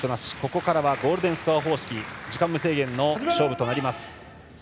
ここからはゴールデンスコア方式時間無制限の勝負となります。